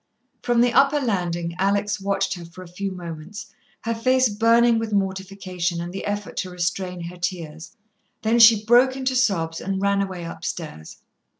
From the upper landing Alex watched her for a few moments, her face burning with mortification and the effort to restrain her tears. Then she broke into sobs and ran away upstairs.